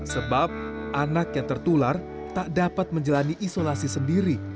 sebab anak yang tertular tak dapat menjalani isolasi sendiri